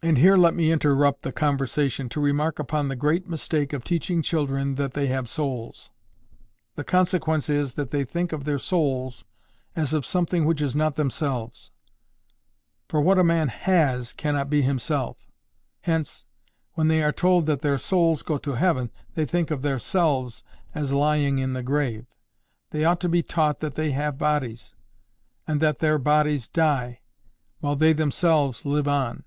And here let me interrupt the conversation to remark upon the great mistake of teaching children that they have souls. The consequence is, that they think of their souls as of something which is not themselves. For what a man HAS cannot be himself. Hence, when they are told that their souls go to heaven, they think of their SELVES as lying in the grave. They ought to be taught that they have bodies; and that their bodies die; while they themselves live on.